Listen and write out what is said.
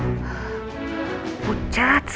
tidak ada apa apa cewe